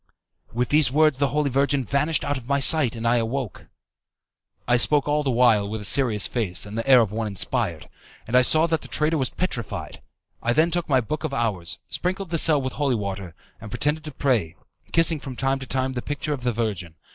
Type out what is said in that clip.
"With these words the Holy Virgin vanished out of my sight, and I awoke." I spoke all the while with a serious face and the air of one inspired, and I saw that the traitor was petrified. I then took my Book of Hours, sprinkled the cell with holy water, and pretended to pray, kissing from time to time the picture of the Virgin.